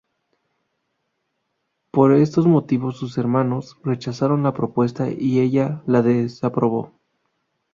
Por estos motivos sus hermanos rechazaron la propuesta y ella la desaprobó.